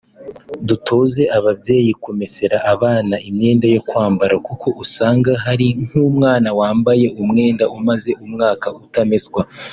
Dutoze ababyeyi kumesera abana imyenda yo kwambara kuko usanga hari nk’umwana wambaye umwenda umaze umwaka utameswa